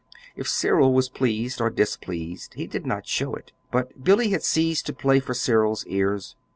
If Cyril was pleased or displeased, he did not show it but Billy had ceased to play for Cyril's ears.